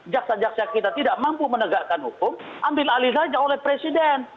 jaksa jaksa kita tidak mampu menegakkan hukum ambil alih saja oleh presiden